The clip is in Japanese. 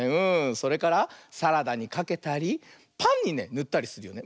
それからサラダにかけたりパンにねぬったりするよね。